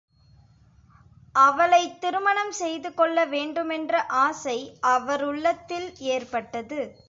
அவளைத் திருமணம் செய்துகொள்ள வேண்டுமென்ற ஆசை அவருள்ளத்தில் ஏற்பட்டது.